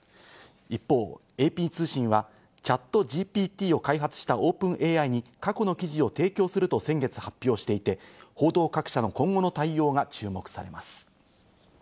一方、ＡＰ通信は、チャットＧＰＴを開発したオープンＡＩに過去の記事を提供すると先月発表していて、報道各社の今後の対応が注目されます。